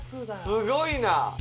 すごいな。